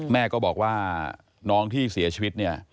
แม่ก็บอกว่าน้องที่เสียชีวิตเนี่ย